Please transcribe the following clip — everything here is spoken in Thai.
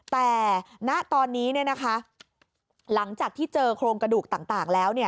แต่ณตอนนี้หลังจากที่เจอโครงกระดูกต่างแล้ว